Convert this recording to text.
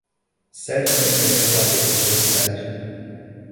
Certamente havia um padeiro em sua cidade.